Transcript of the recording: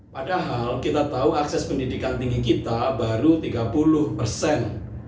padahal kita tahu akses pendidikan tinggi kita baru tiga puluh persen